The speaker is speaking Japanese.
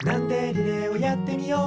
リレーをやってみよう！